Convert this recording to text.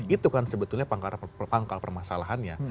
itu kan sebetulnya pangkal permasalahannya